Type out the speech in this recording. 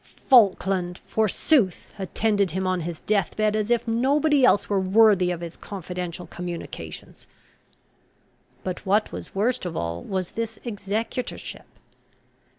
"Falkland, forsooth, attended him on his death bed, as if nobody else were worthy of his confidential communications." But what was worst of all was this executorship.